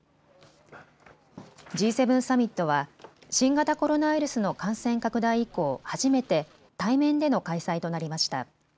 Ｇ７サミットは新型コロナウイルスの感染拡大以降、初めて対面での開催となりました。